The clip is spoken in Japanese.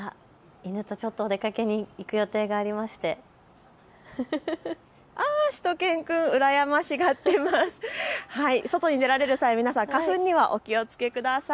犬とちょっとお出かけに行く予定がありまして外に出られる際、皆さん、花粉にはお気をつけください。